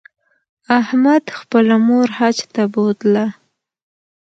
احمد خپله مور حج ته بوتله